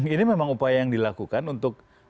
ini memang upaya yang dilakukan untuk